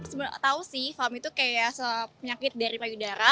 sebenarnya fam itu kayak penyakit dari payudara